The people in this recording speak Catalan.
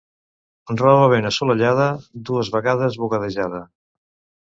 Roba ben assolellada, dues vegades bugadejada.